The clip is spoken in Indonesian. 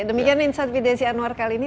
demikian insight with desi anwar kali ini